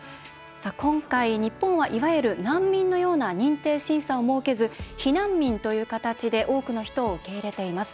今回、日本はいわゆる難民のような認定審査を設けず避難民という形で多くの人を受け入れています。